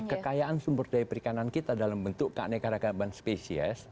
kekayaan sumber daya perikanan kita dalam bentuk karne karagaman species